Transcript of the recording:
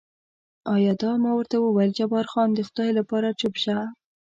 ایا دا؟ ما ورته وویل جبار خان، د خدای لپاره چوپ شه.